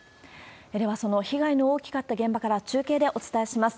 ではその被害の大きかった現場から中継でお伝えします。